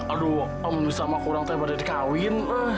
aduh sama kurang tebak dari kawin